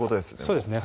そうですね